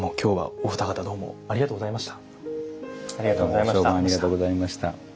お相伴ありがとうございました。